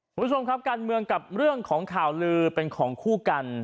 คุณผู้ชมครับการเมืองกับเรื่องของข่าวลือเป็นของคู่กัน